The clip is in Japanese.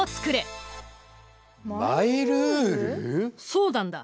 そうなんだ。